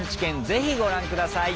ぜひご覧ください。